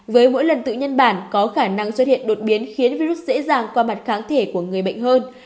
với mỗi lần tự nhân bản có khả năng xuất hiện đột biến khiến virus dễ dàng qua mặt kháng thể của người bệnh hơn